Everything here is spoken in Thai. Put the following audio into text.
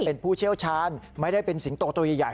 เป็นผู้เชี่ยวชาญไม่ได้เป็นสิงโตตัวใหญ่